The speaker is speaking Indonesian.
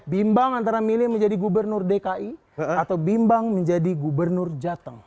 bimbang antara milih menjadi gubernur dki atau bimbang menjadi gubernur jateng